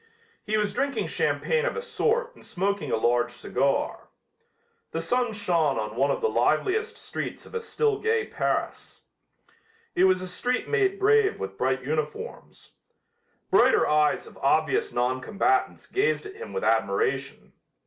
He was drinking champagne of a sort and smoking a large cigar. The sun shone on one of the liveliest streets of a still gay Paris. It was a street made brave with bright uniforms. Brighter eyes of obvious non combatants gazed at him with admiration.